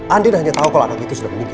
andin hanya tahu kalau anak itu sudah begitu